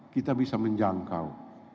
kita bisa menjangkau